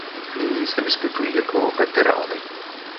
Nyní se vyskytují jako veterány.